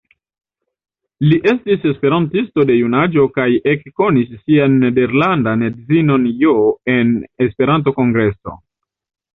Li estis esperantisto de junaĝo kaj ekkonis sian nederlandan edzinon Jo en Esperanto-kongreso.